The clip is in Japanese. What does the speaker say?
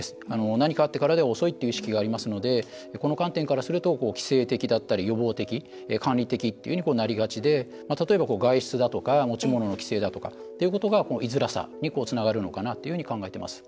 何かあってからでは遅いという意識がありますのでこの観点からすると規制的だったり、予防的管理的っていうふうになりがちで例えば、外出だとか持ち物の規制だとかということが居づらさにつながるのかなと考えています。